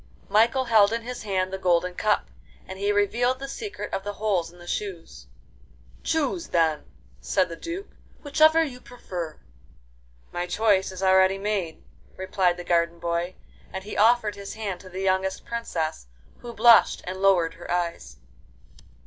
Michael held in his hand the golden cup, and he revealed the secret of the holes in the shoes. 'Choose, then,' said the Duke, 'whichever you prefer.' 'My choice is already made,' replied the garden boy, and he offered his hand to the youngest Princess, who blushed and lowered her eyes.